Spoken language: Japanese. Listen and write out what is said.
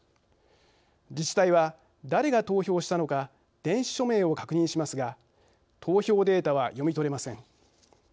自治体は誰が投票したのか電子署名を確認しますが投票データは読み取れません。